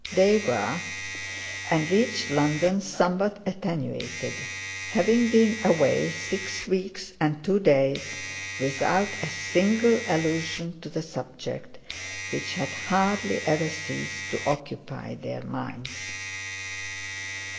They were, and reached London somewhat attenuated, having been away six weeks and two days, without a single allusion to the subject which had hardly ever ceased to occupy their minds.